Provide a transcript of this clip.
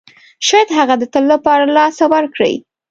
شاید هغه د تل لپاره له لاسه ورکړئ.